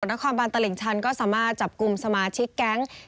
นครบานตลิ่งชันก็สามารถจับกลุ่มสมาชิกแก๊ง